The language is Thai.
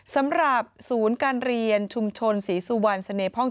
สำหรับศูนย์การเรียนชุมชนศรีสุวรรณเสน่พ่อง